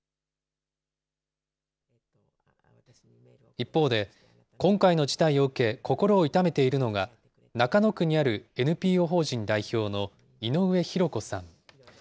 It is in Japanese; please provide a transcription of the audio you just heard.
一方で、今回の事態を受け、心を痛めているのが、中野区にあるＮＰＯ法人代表の井上弘子さん。